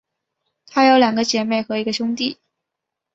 她有两个姐妹和一个兄弟。